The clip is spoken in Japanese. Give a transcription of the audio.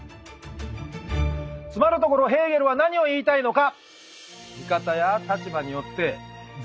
つまるところヘーゲルは何を言いたいのか？